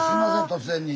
突然に。